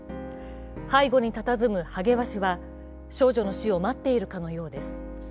背後にたたずむハゲワシは少女の死を待っているかのようです。